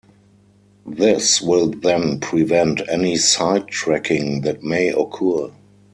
This will then prevent any sidetracking that may occur.